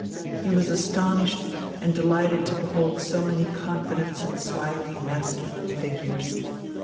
He was astonished and delighted to behold so many confidence inspiring masculine figures.